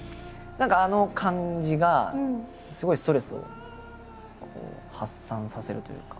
何かあの感じがすごいストレスを発散させるというか。